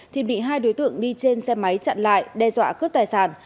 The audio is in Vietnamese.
thì bị hai đối tượng đi trên xe máy chặn lại đe dọa cướp tài sản